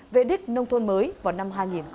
vệ đích nông thôn mới vào năm hai nghìn một mươi tám